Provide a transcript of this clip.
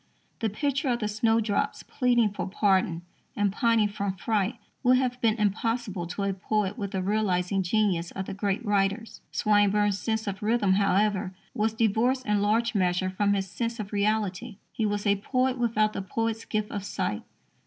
The picture of the snowdrops pleading for pardon and pining from fright would have been impossible to a poet with the realizing genius of the great writers. Swinburne's sense of rhythm, however, was divorced in large measure from his sense of reality. He was a poet without the poet's gift of sight.